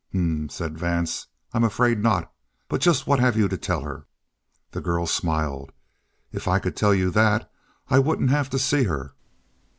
"H'm!" said Vance. "I'm afraid not. But just what have you to tell her?" The girl smiled. "If I could tell you that, I wouldn't have to see her."